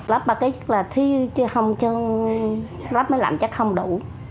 lắp ba kg chứ không cho lắp mới làm chắc không đủ